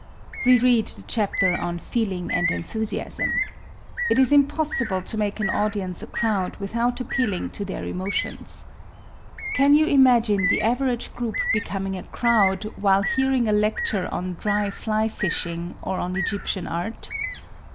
Reread the chapter on "Feeling and Enthusiasm." It is impossible to make an audience a crowd without appealing to their emotions. Can you imagine the average group becoming a crowd while hearing a lecture on Dry Fly Fishing, or on Egyptian Art?